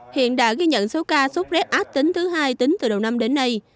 hiện đã ghi nhận số ca sốt rét ác tính thứ hai tính từ đầu năm đến nay